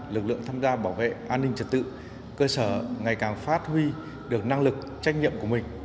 lực lượng tham gia bảo vệ an ninh trật tự cơ sở ngày càng phát huy được năng lực trách nhiệm của mình